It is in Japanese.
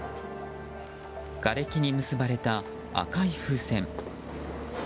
がれきに結ばれた赤い風船。